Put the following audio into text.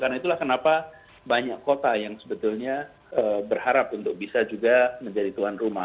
karena itulah kenapa banyak kota yang sebetulnya berharap untuk bisa juga menjadi tuan rumah